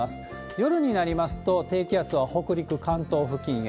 夜になりますと、低気圧は北陸、関東付近へ。